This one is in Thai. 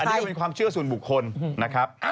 อันนี้ก็เป็นความเชื่อส่วนบุคคลนะครับ